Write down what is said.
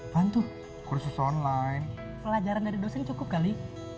bantu kursus online pelajaran dari dosen cukup kali